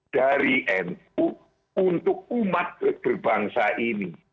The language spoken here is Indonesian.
dari nu untuk umat berbangsa ini